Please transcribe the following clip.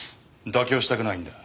妥協したくないんだ。